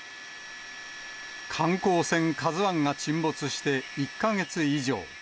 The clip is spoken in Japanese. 観光船、ＫＡＺＵＩが沈没して１か月以上。